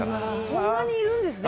そんなにいるんですね。